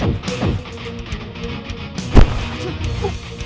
jangan letak wigiku disini